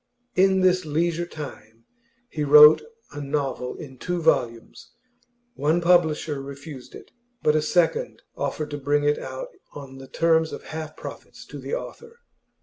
In this leisure time he wrote a novel in two volumes; one publisher refused it, but a second offered to bring it out on the terms of half profits to the author.